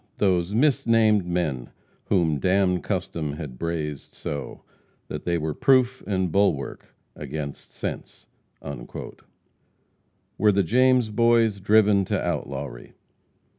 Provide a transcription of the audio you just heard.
"Those misnamed men Whom damned custom had brazed so That they were proof and bulwark against sense." Were the James boys driven to outlawry?